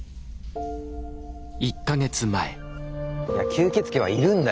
吸血鬼はいるんだよ。